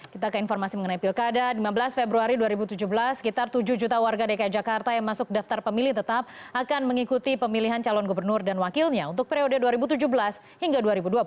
kita ke informasi mengenai pilkada lima belas februari dua ribu tujuh belas sekitar tujuh juta warga dki jakarta yang masuk daftar pemilih tetap akan mengikuti pemilihan calon gubernur dan wakilnya untuk periode dua ribu tujuh belas hingga dua ribu dua puluh empat